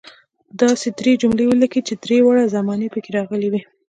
داسې درې جملې ولیکئ چې درې واړه زمانې پکې راغلي وي.